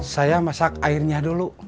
saya masak airnya dulu